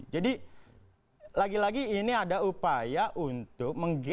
jadi lagi lagi ini ada upaya untuk menggabungkan